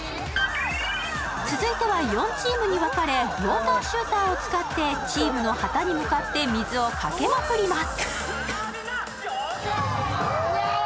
続いては４チームに分かれウォーターシューターを使ってチームの旗に向かって水をかけまくります。